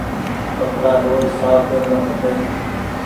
ڪپڙآ روز ساڦ پيرڻو کپي۔